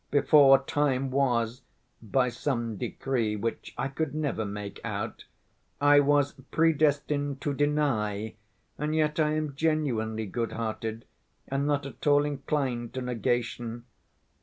Before time was, by some decree which I could never make out, I was pre‐destined 'to deny' and yet I am genuinely good‐hearted and not at all inclined to negation.